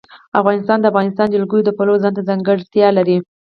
افغانستان د د افغانستان جلکو د پلوه ځانته ځانګړتیا لري.